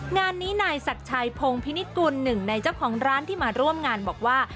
งานนี้นายศักดิ์ชัยพงพินิตกุลหนึ่งในเจ้าของร้านที่มาร่วมงานบอกว่า